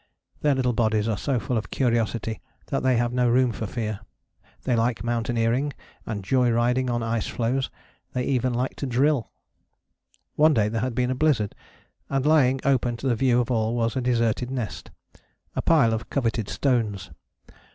Their little bodies are so full of curiosity that they have no room for fear. They like mountaineering, and joy riding on ice floes: they even like to drill. One day there had been a blizzard, and lying open to the view of all was a deserted nest, a pile of coveted stones.